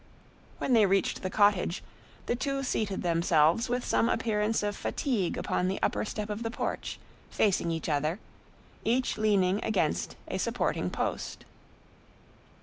When they reached the cottage, the two seated themselves with some appearance of fatigue upon the upper step of the porch, facing each other, each leaning against a supporting post.